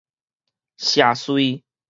邪祟